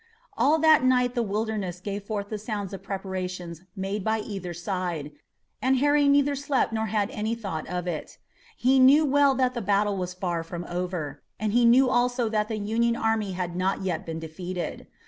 All that night the Wilderness gave forth the sound of preparations made by either side, and Harry neither slept nor had any thought of it. He knew well that the battle was far from over, and he knew also that the Union army had not yet been defeated.